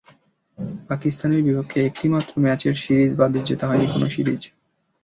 পাকিস্তানের বিপক্ষে একটি মাত্র ম্যাচের সিরিজ বাদে জেতা হয়নি কোনো সিরিজ।